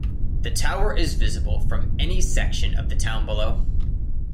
The tower is visible from any section of the town below.